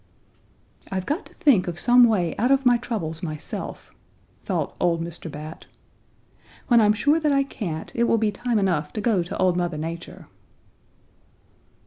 "'I've got to think of some way out of my troubles myself,' thought old Mr. Bat. 'When I'm sure that I can't, it will be time enough to go to Old Mother Nature.'